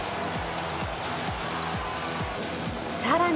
さらに。